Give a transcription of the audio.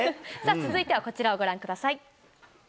続いてはこちら、ご覧ください。